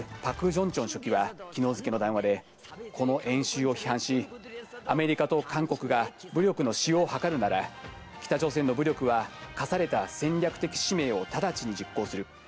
ジョンチョン書記は昨日付の談話でこの演習を批判し、アメリカと韓国が武力の使用をはかるなら北朝鮮の武力はかされた戦略的使命を直ちに実行する。